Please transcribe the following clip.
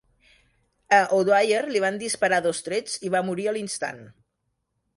A O'Dwyer li van disparar dos trets i va morir a l'instant.